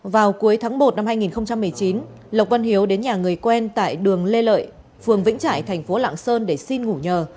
vào cuối tháng một năm hai nghìn một mươi chín lộc văn hiếu đến nhà người quen tại đường lê lợi phường vĩnh trại thành phố lạng sơn để xin ngủ nhờ